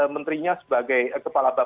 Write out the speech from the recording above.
menterinya sebagai kepala bapak